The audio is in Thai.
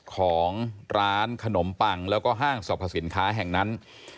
ของร้านขนมปังแล้วก็ห้างสรรพสินค้าแห่งนั้น